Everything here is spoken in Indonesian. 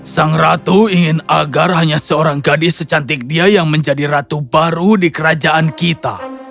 sang ratu ingin agar hanya seorang gadis secantik dia yang menjadi ratu baru di kerajaan kita